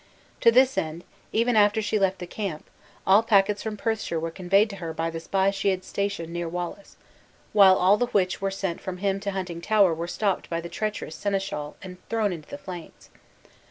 To this end, even after she left the camp, all packets from Perthshire were conveyed to her by the spy she had stationed near Wallace; while all which were sent from him to Huntingtower were stopped by the treacherous seneschal, and thrown into the flames.